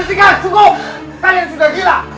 ketika cukup kalian sudah gila